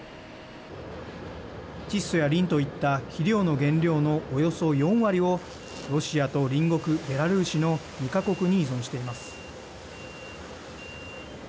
窒素やリンといった肥料の原料のおよそ４割をロシアと隣国ベラルーシの２か国に依存しています。